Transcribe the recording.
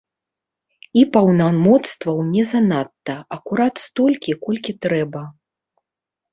І паўнамоцтваў не занадта, акурат столькі, колькі трэба.